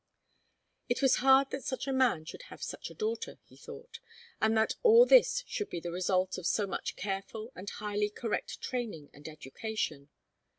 It was hard that such a man should have such a daughter, he thought, and that all this should be the result of so much careful and highly correct training and education.